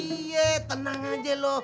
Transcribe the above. iya tenang aja lo